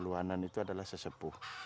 luanan itu adalah sesepuh